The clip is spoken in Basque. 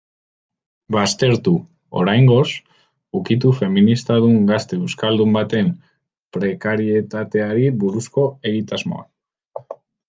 Baztertu, oraingoz, ukitu feministadun gazte euskaldun baten prekarietateari buruzko egitasmoa.